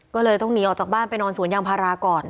ก็เลยต้องหนีออกจากบ้านไปนอนสวนยางพาราก่อน